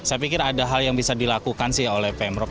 saya pikir ada hal yang bisa dilakukan sih oleh pemprov